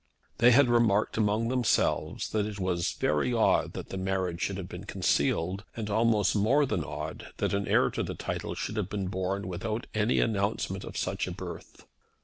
They had remarked among themselves that it was very odd that the marriage should have been concealed, and almost more than odd that an heir to the title should have been born without any announcement of such a birth.